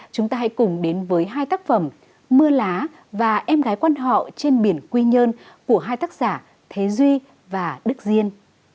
chúng ta hãy cùng đến với hai tác phẩm mưa lá và em gái quan họ trên biển quy nhơn của hai tác giả thế duy và đức diên